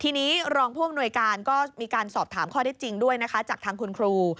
ทีนี้รองผู้อำนวยการก็มีการสอบถามข้อได้จริงด้วยนะคะจากทางคุณครู